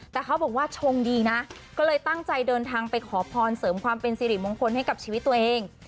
แต่เขาบอกว่าชงดีนะก็เลยตั้งใจเดินทางไปขอพรเสริมความเป็นสิริมงคลให้กับชีวิตตัวเอง